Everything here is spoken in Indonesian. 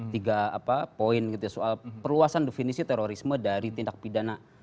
tiga poin gitu ya soal perluasan definisi terorisme dari tindak pidana